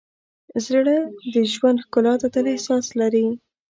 زړه د ژوند ښکلا ته تل احساس لري.